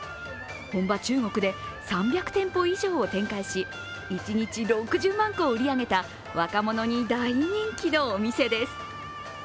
本場・中国で３００店舗以上を展開し一日６０万個を売り上げた若者に大人気のお店です。